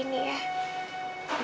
tolong jaga rahasia ini ya